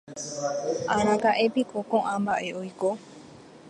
araka’épiko ko’ã mba’e oiko